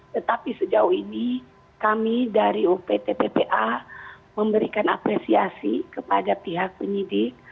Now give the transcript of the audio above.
tetapi sejauh ini kami dari upt ppa memberikan apresiasi kepada pihak penyidik